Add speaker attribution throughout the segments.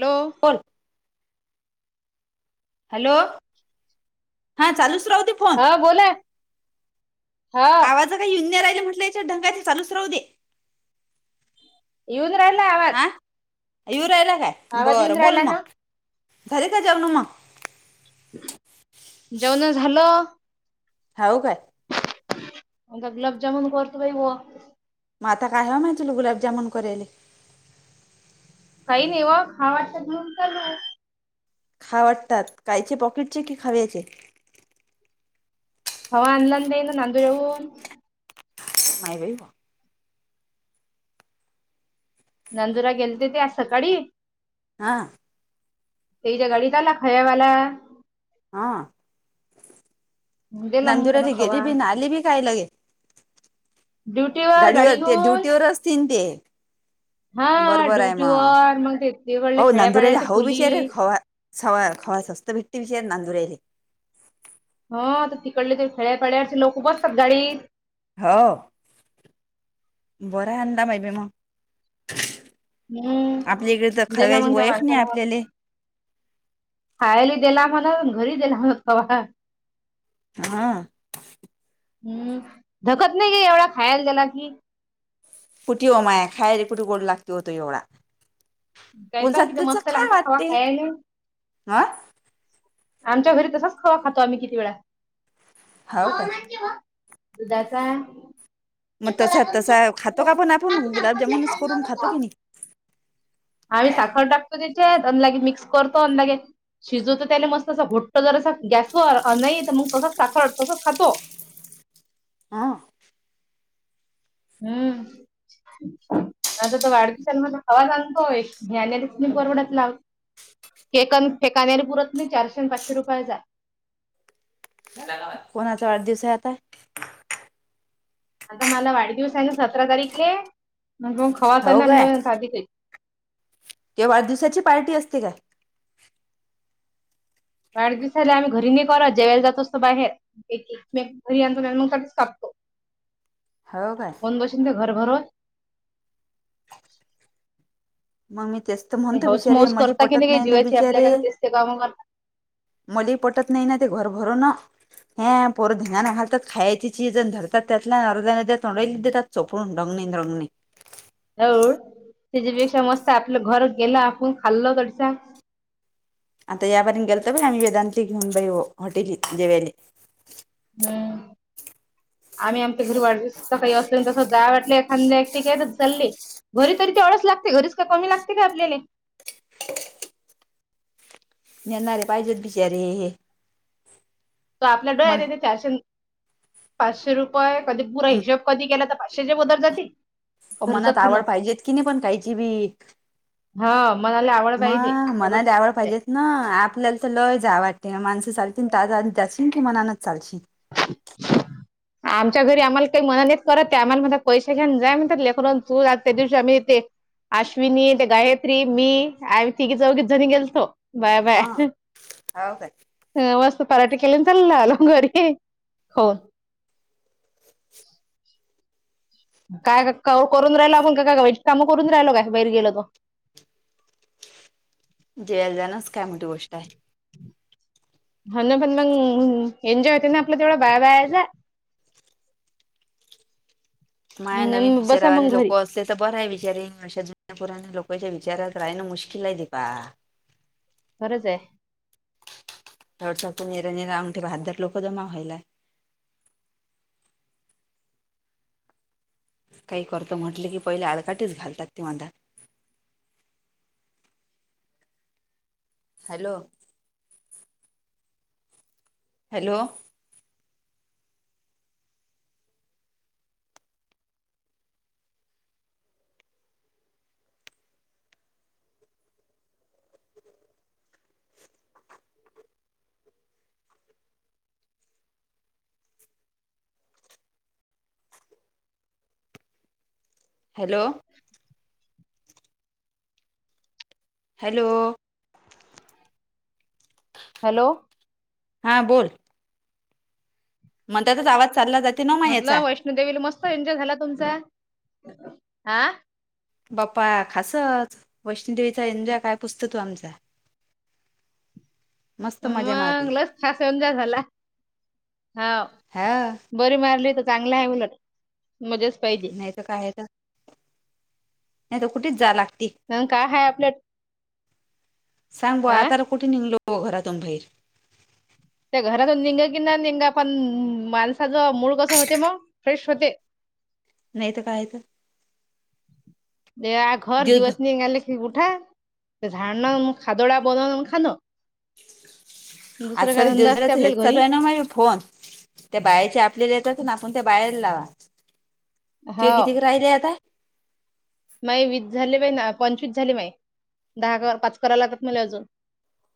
Speaker 1: Hello.
Speaker 2: बोल hello हा चालूच राहू दे फोन
Speaker 1: हा बोला हा.
Speaker 2: माझा काही युन्य राहिलं म्हटलं याच्या ढंगा ते चालच राहू दे.
Speaker 1: येऊन राहिला आवा
Speaker 2: हा येऊ राहिला काय
Speaker 1: आवाज येऊन
Speaker 2: बरं बोल
Speaker 1: राहिला ना
Speaker 2: मग झालं का जेवणं मग?
Speaker 1: जेवण झालं.
Speaker 2: हाव काय.
Speaker 1: ग गुलाबजमुुन करतो बाई व
Speaker 2: म आता काय ह माहितील गुलाबजामन करेले?
Speaker 1: काही नाही हो खाऊ वाटात घेऊन चालू.
Speaker 2: खा वाटतात कायचे पॉकेटचे की खाव्याचे?
Speaker 1: हो ऑनलाइन देईन ना नांदूर वरून.
Speaker 2: नाही बाई
Speaker 1: नंदुरा गेलेते ते आज सकाळी
Speaker 2: हां.
Speaker 1: तेच्या गाडीत आला खयावाला.
Speaker 2: हा
Speaker 1: दिला मग त्यान
Speaker 2: नंदुरारी गेली
Speaker 1: खवा
Speaker 2: बी नाही आली बी काय लगे?
Speaker 1: ड्युटीवर गाडी
Speaker 2: गाडीवर ते
Speaker 1: घेऊन
Speaker 2: ड्युटी वर असतीन ते.
Speaker 1: हा
Speaker 2: बरोबर आहे म
Speaker 1: ड्युटीवर मग ते तिकडले
Speaker 2: अहो नांदूरच्या
Speaker 1: खेड्यापाड्याचे
Speaker 2: हाऊ
Speaker 1: कुली
Speaker 2: बिचाऱ्या खावा सवा खवा सस्ते भेटते विचा नांदुऱ्या चे.
Speaker 1: हा तर तिकडले तर खेड्याचे पड्यारचे बसतात गाडी
Speaker 2: हाँ बरं आहे अंदा माई बी म.
Speaker 1: हम्म
Speaker 2: आपल्या इकडे तर
Speaker 1: दिला
Speaker 2: खव्याचे
Speaker 1: मग त्या
Speaker 2: वळख नाही
Speaker 1: माणसानं
Speaker 2: आपल्याले.
Speaker 1: खायला दिला म्हणा घरी दिला होत वा.
Speaker 2: हा.
Speaker 1: हम्म धकत नाही गे एवढा खायला द्याला की.
Speaker 2: कुठे हो माय खाय रे कुठे गोड लागते हो तो एवढा.
Speaker 1: काय तर
Speaker 2: उल्चक
Speaker 1: किती
Speaker 2: तेच्या
Speaker 1: मस्त लागते
Speaker 2: खा
Speaker 1: खवा
Speaker 2: ते
Speaker 1: खायला
Speaker 2: आं
Speaker 1: आमच्या घरी तसाच खवा खातो आम्ही किती वेळा.
Speaker 2: हो काय
Speaker 1: [unintelligible]
Speaker 2: मग तसा तसा खातो का पण आपण गुलाबजामुनच करून खातो की नाही
Speaker 1: [unintelligible] आम्ही साखर टाकतो त्याच्यात अनलागे मिक्स करतो अनलागे शिजवतो त्याले मस्त. तसं घोट्ट जर असं गॅसवर नाही तर मग तसं साखर तसचं खातो.
Speaker 2: हा.
Speaker 1: हम्म. आता तर वाढदिवांमध्ये हवा सांगतोय घ्यायलीत परवडत लाव केकन फेकण्यारी पुरत नाही चारसे आणि पाचशे रुपयांचा आहे.
Speaker 2: कोणाचा वाढदिवस आहे आता?
Speaker 1: आता मला वाढदिवस आहे ना सतरा तारीखे मगं [unintelligible] खवाचा
Speaker 2: हो काय
Speaker 1: आणला सादी केक.
Speaker 2: ते वाढदिवसाची पार्टी असते का?
Speaker 1: वाढदिवसला आम्ही घरी नाही करत जेयला जातो असतो बाहेर. ते केक मेक घरी आणतो मग [unintelligible] कापतो.
Speaker 2: हाव काय?
Speaker 1: बशुन दे घर घरात.
Speaker 2: मग मी तेचत
Speaker 1: ते
Speaker 2: म्हणतो
Speaker 1: हौस
Speaker 2: बिचारे
Speaker 1: मौस
Speaker 2: मली
Speaker 1: करता की
Speaker 2: पटत
Speaker 1: काही
Speaker 2: नाही ना
Speaker 1: जीवाची आपल्या
Speaker 2: बिचारे
Speaker 1: का तेच ते कामं करता.
Speaker 2: मलही पटत नाही ना ते घर भरूनं. हा पोरं धन्यान घालतात खायची चीज धरतात त्यातलं अर्ध्या अर्ध्या तोंड्यालाही देतात. चपळून डगणे डगणे.
Speaker 1: हो त्याच्यापेक्षा मस्त आपलं घर गेलं आपण खाल्ल तरी सांग.
Speaker 2: आता याबारीन गेलतो ब आम्ही वेदांती घेऊन हॉटेली जेवायले.
Speaker 1: हम्म. आम्ही आमच्या घरी वाढदिवस तसं काही असो तसं जा वाटलं एखांद्या [unintelligible] आहे चालली. घरी तरी तेवढंच लागते घरीच का कमी लागते का आपल्याले.
Speaker 2: [unintelligible] [unintelligible] नेणार रे पाहिजेत बिचारे हे.
Speaker 1: ते आपल्या डोळ्या
Speaker 2: मन
Speaker 1: देते चारशे पाचशे रुपये कधी पुरा हिशेब कधी केला तर शेजा पदार जातील.
Speaker 2: ओ मनात आवड पाहिजेेत की नाही पण काहींची भी.
Speaker 1: हा मनला आवड
Speaker 2: म
Speaker 1: पाहिजे त्या गोष्ट
Speaker 2: मनाला आवड
Speaker 1: आहे.
Speaker 2: पाहिजे ना आपल्याला तर लय जायव लागतील माणसं चालतील त्यात आदी जाशीन की मनानच चालशील. [inaudible] [inaudible]
Speaker 1: आमच्या घरी आम्हाला काही मना नाहीेत करत ते आम्हाला म्हणतात पैशे घ्या जा म्हणतात लेकरन तू त्या दिवशी आम्ही ते. अश्विनी ते गायत्री मी आम्ही तिघे चौघीच जणी गेलतो. बाया
Speaker 2: हा
Speaker 1: बाया
Speaker 2: हो काय
Speaker 1: मस्त पराठे केले चाललं आलो घरी. हो काय गं कउ करून राहिलं आपण का काय वाईट कामं करून राहिलो काय बाहेर गेलो तो.
Speaker 2: जेल जाणच काय मोठी गोष्ट आहे.
Speaker 1: हा ना पण मंग एन्जॉय होते ना आपलं तेवढं बाया बायचा.
Speaker 2: माया नवीन
Speaker 1: बसा
Speaker 2: विचारवे
Speaker 1: मग घरी
Speaker 2: लोको असेल. तर बरं आहे विचारिंग अशा जुन्या पुराण लोकांच्या विचारात राहणं मुश्किल आहे दीपा. [inaudible] [inaudible]
Speaker 1: खरच आहे.
Speaker 2: थड नरा नरा अंगठी बाहत्तर लोक जमा होईलाय काही करतं म्हटलं की पहिले आडकाटीच घलतात ते वांदा. Hello hello hello hello
Speaker 1: hello
Speaker 2: हां बोल मग त्याचाच आवाज चालला जात
Speaker 1: म्हटलं वैष्णोदेवीला मस्त एन्जॉय झाला तुमचा हा.
Speaker 2: बाप्पा खासच वैष्णूदेवीचा एन्जाॅय काय पुसत तू आमचा. मस्त मजा
Speaker 1: मग
Speaker 2: मारली
Speaker 1: लक [unintelligible] झाला हाव.
Speaker 2: हा
Speaker 1: बरे मारले तर चांगलं आहे उलट. मध्येच पाहिजे.
Speaker 2: नाही तर काय हाय ग. नाही तर नाही तर कुठेच जाया लागती.
Speaker 1: नवीन काय हाय आपल्यात?
Speaker 2: सांग बुवा आता कुठे निघलो घरातून बाहेर.
Speaker 1: त्या घरातून निंग की ना निंगा पण माणसाच मूड कसं होते मग फ्रेश होते.
Speaker 2: नाही तर काह येते.
Speaker 1: दे आ घर
Speaker 2: दिवसभर
Speaker 1: दिवस निगाले उठा झाडनं म खादोड बनवनं म खानं.
Speaker 2: आज सरी
Speaker 1: धंदा असते
Speaker 2: दिवसभराच हेच
Speaker 1: आपल्याला
Speaker 2: चालू
Speaker 1: घरी
Speaker 2: आहे ना माझे फोन. त्या बाहेरचे आपल्याला येतात ना आपण त्या बाहेर लावा ते
Speaker 1: हो
Speaker 2: किती ग राहिले आता?
Speaker 1: माय वीस झाले बाईना पंचवीस झाले माय. दहा क पाच कराव लागत मला अजून.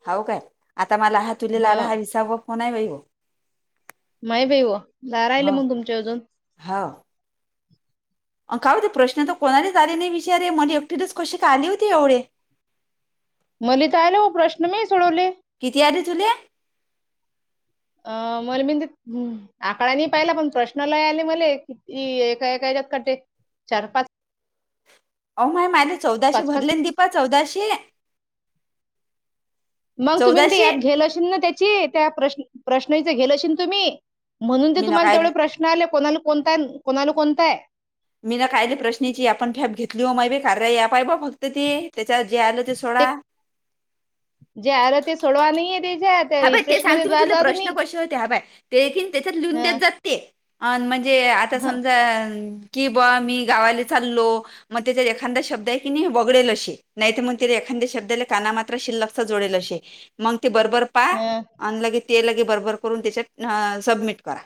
Speaker 2: आहो काय आता मला हा तुलेला
Speaker 1: हो
Speaker 2: आला हा विसावा फोन आहे बाई गो.
Speaker 1: माय बाई ओ दहा राहिले मग तुमचे अजून.
Speaker 2: हो. अं काय होते प्रश्न तर कोणाच आले नाही विचारे. मला एकटिलाच कसे काय आली होती एवढे?
Speaker 1: मले काय नई ओ प्रश्न नाही सोडवले.
Speaker 2: किती आली तुले?
Speaker 1: अ मला [unintelligible] आकडा नाही पाहिला, पण प्रश्न लय आले मले. किती एका एकाच्यात कते चार पाच.
Speaker 2: अहो माय माझे चौदाशे
Speaker 1: पाच पाच
Speaker 2: भरले दीपा न चौदाशे.
Speaker 1: मग तुम्ही तेन
Speaker 2: चौदाशे
Speaker 1: ऍप घेल अशील ना त्याची प्रश्न प्रश्नाच घेयलेशील तुम्ही. म्हणून ते
Speaker 2: मी ना
Speaker 1: तुम्हाला
Speaker 2: काय
Speaker 1: तेवढे प्रश्न आले. कोणाला कोणता आहे, कोणाला कोणता आहे.
Speaker 2: मीला कायले प्रश्नाची आपण फॅप घेतली हो मायबे कार्या याप हाय बा फक्त ती त्याच्यात जे आलं ते सोडा.
Speaker 1: जे आलं ते सोडवा. नाहीये ते जा
Speaker 2: हा बाय ते सांगते मी तुला
Speaker 1: जा
Speaker 2: प्रश्न
Speaker 1: तुम्ही
Speaker 2: कसे होते हा बाय ते हाय की नाही त्याच्यात लिहुन
Speaker 1: हं,
Speaker 2: जाते. अ म्हणजे आता
Speaker 1: हं,
Speaker 2: समजा की बुवा मी गावाले चाललो. मग त्याच्यात एखादा शब्द आहे की नाही वगळेल असे. नाहीत मग तिला एखाद्या शब्दाले काना मात्रा शिलकचा‌ जोडेल असे, मग ते बरोबर पा
Speaker 1: हम्म.
Speaker 2: आणि लगे ते लगे बरबर करून त्याच्यात सबमिट करा.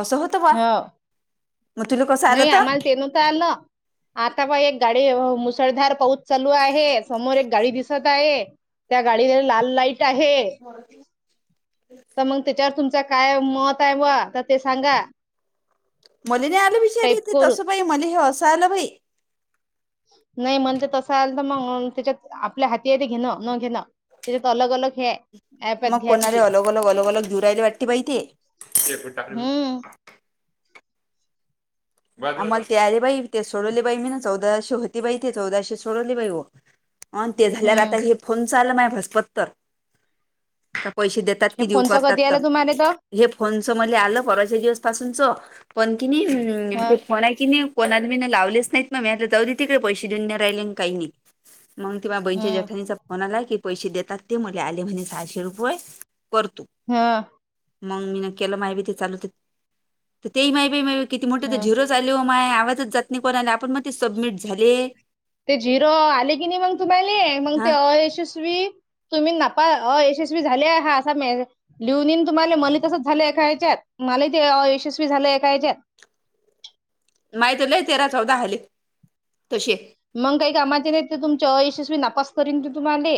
Speaker 2: असं होत
Speaker 1: हो.
Speaker 2: आलं
Speaker 1: नाही
Speaker 2: तर
Speaker 1: आम्हाला ते नव्हतं आलं. आता पाए एक गाडी हो मुसळधार पाऊच चालू आहे, समोर एक गाडी दिसत आहे. त्या गाडीला लाल लाईट आहे.
Speaker 2: [unintelligible]
Speaker 1: तर मग त्याच्यावर तुमचं काय मत आहे बुवा तर ते सांगा.
Speaker 2: मले नाही आले विचारी
Speaker 1: टाईप
Speaker 2: येत
Speaker 1: करून
Speaker 2: तसं बाई मले हे असं आलं बाई.
Speaker 1: नाही म्हले तर तसं आल तर मग त्याच्यात आपल्या हाती हाय ते घेणं न घेणं. तेच्यात अलग अलग हे हाय
Speaker 2: मग कोणाेले अलग अलग अलग अलग देऊ राहिले वाटते बाई ते.
Speaker 1: हम्म
Speaker 2: आम्हाला ते आले बाई ते सोडवले बाई मी ना चौदाशे होती बाई ते चौदाशे सोडवले बाई हो. अन ते झाल्यावर
Speaker 1: हम्म
Speaker 2: आता हे फोनच आल बाई [unintelligible] तर. तर पैसे देतात
Speaker 1: हे
Speaker 2: कि देऊ
Speaker 1: फोनचं कधी
Speaker 2: करतात.
Speaker 1: आलं तुम्हाला तर
Speaker 2: हे फोनचं मले आलं परवाच्या दिवस पासूनच, पण की नई
Speaker 1: हं,
Speaker 2: ते फोन हाय की नई कोणाले मी लावलेच नाहीत. मी म्हंटल जाऊ दे तिकडं पैसे देऊन नाही राहिले आणि काही नाही. मग ते माझ्या बहीणच्या
Speaker 1: हं,
Speaker 2: जेठाणीचा म्हणालाय की पैसे देतात ते, मले आले म्हणे सहाशे रुपये कर तु‌.
Speaker 1: हा.
Speaker 2: मग मी न केलं मायबी ते चालू ते ते ही मायबी मा किती मोठे ते
Speaker 1: हं.
Speaker 2: झिरोच आले हो. मा आवाजच जात नाही कोणा आपण मग ते सबमिट झाले.
Speaker 1: ते जिरं आले की नाही मग तुम्हाली मग ते
Speaker 2: हा
Speaker 1: अ यशस्वी तुम्ही नपा अ यशस्वी झाले हा असा मै लिहून येईन तुम्हाला मला तसंच झालं एका हेच्यात मला ते यशस्वी झालं एका हेच्यात.
Speaker 2: माहती लय तेरा चौदा हाले तशे
Speaker 1: मग काही कामाचे नाही ते तुमच्या यशस्वी नापास करीन ते तुम्हाले.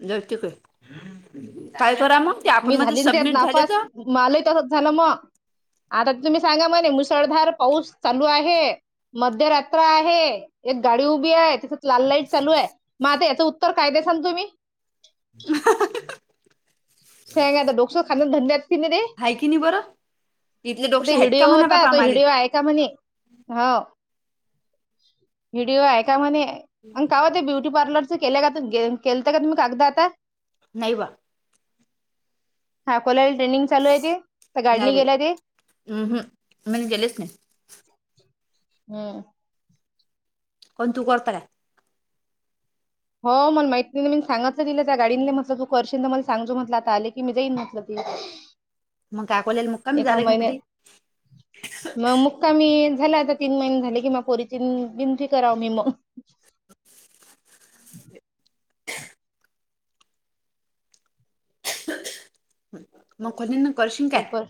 Speaker 2: [unintelligible] काय करा मग ते आपण मध्ये सबमिट झाले तर.
Speaker 1: मला इथं बस झाला म आता तुम्ही सांगा मला मुसळधार पाऊस चालू आहे. मध्यरात्र आहे एक गाडी उभी आहे तिथं लाल लाईट चालू आहे मग आता याचं उत्तर काय देशान तुम्ही?
Speaker 2: हहह...
Speaker 1: सांग आता डोक्ष खाणं [unintelligible] दे.
Speaker 2: हाय की नी बरं. इथले
Speaker 1: तो
Speaker 2: डोकशे आहेत का
Speaker 1: हिडिओ
Speaker 2: म्हणा
Speaker 1: होता
Speaker 2: बापा
Speaker 1: तो हि
Speaker 2: आम्हाले
Speaker 1: डिओ ऐक त्या म्हणे हो व्हडिओ ऐका म्हणे मंग काव ते ब्युटीपार्लर चे केल्या ग त गेम केलतं का तुम्ही कागदा आता.
Speaker 2: नाही बा
Speaker 1: हा कोलाला ट्रेनिंग चालू आहेत ते तर गाडणी गेला ते.
Speaker 2: मने गेलेस नाय.
Speaker 1: हम्म
Speaker 2: कोण तू करता आहे?
Speaker 1: हो मला माहित नाही ना मी सांगतलं तिला त्या गाडींले म्हटलं तू करशीलन तर मला सांगजू म्हटलं आता आले की मी जाईन म्हटलं ती.
Speaker 2: मग काकोलेयला मग कमी
Speaker 1: एका
Speaker 2: झालय गणपती?
Speaker 1: कमी झाला आता तीन महिने झाले किंवा पोरींची बिनती कराव मी म.
Speaker 2: [unintelligible] मग [unintelligible] करशीन काय?
Speaker 1: पेपर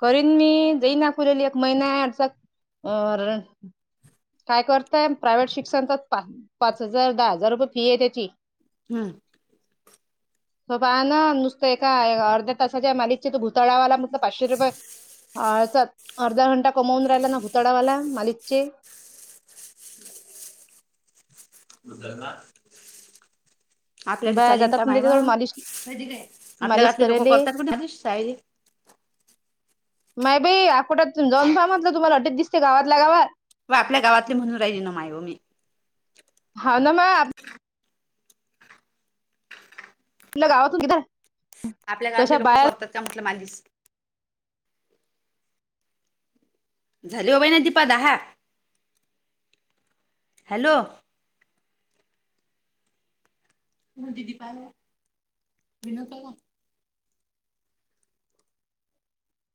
Speaker 1: करीन मी जाई नाखवलेली एक महिना आ चा आर काय करतय प्रायव्हेट शिक्षण करता तर पाच हजार दहा हजार रुपये फी आहे त्याची.
Speaker 2: हम्म
Speaker 1: हो पहा ना नुसतं एका अर्ध्या ताशा ज्या मालिकच्या तो भुतळावाला म्हटलं पाचशे रुपये अळचा अर्धा घंटा कमवून राहिला ना भुतळावाला मालिकचे.
Speaker 2: [unintelligible] आपल्या दि
Speaker 1: बाया
Speaker 2: चालीन
Speaker 1: जातात
Speaker 2: काम
Speaker 1: ना
Speaker 2: आयवा
Speaker 1: त्याच्याजवळ मालिश
Speaker 2: आपल्या
Speaker 1: मालिश
Speaker 2: गावातले लोकं
Speaker 1: करायले
Speaker 2: करतात ना सायरी.
Speaker 1: नाय बाई आठोड्यातून जाऊन पाह म्हटलं तुम्हाला ऑटो दिसते गावातल्या गावात.
Speaker 2: व आपल्या गावातले म्हणून राहि ना मायव मी.
Speaker 1: हा ना मा आपला गावातून गीध आहे.
Speaker 2: आपल्या गावातले लोकं करतात का म्हटलं मालीस? झाली हो बाई ना दीपा दहा. हॅलो म दीदी पाहायला विनोद दादा